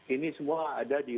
ini semua ada di